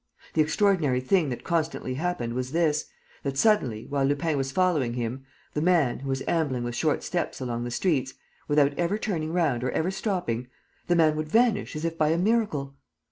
The extraordinary thing that constantly happened was this, that, suddenly, while Lupin was following him, the man, who was ambling with short steps along the streets, without ever turning round or ever stopping, the man would vanish as if by a miracle.